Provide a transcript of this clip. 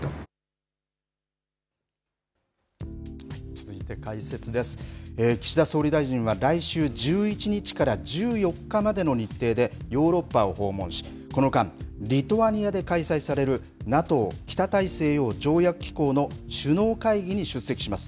続いて解説です岸田総理大臣は来週１１日から１４日までの日程でヨーロッパを訪問しこの間、リトアニアで開催されるＮＡＴＯ、北大西洋条約機構の首脳会議に出席します。